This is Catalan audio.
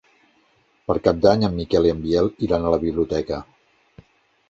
Per Cap d'Any en Miquel i en Biel iran a la biblioteca.